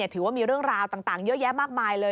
ถือว่ามีเรื่องราวต่างเยอะแยะมากมายเลย